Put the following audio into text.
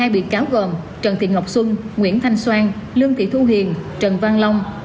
một mươi hai bị cáo gồm trần thị ngọc xuân nguyễn thanh soan lương thị thu hiền trần văn long